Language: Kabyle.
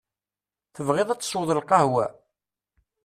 Tebɣiḍ ad tesweḍ lqahwa?